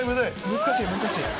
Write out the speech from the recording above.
難しい難しい。